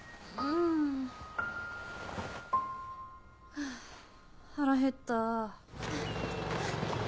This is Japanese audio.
ハァ腹へった。